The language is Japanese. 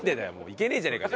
行けねえじゃねえか！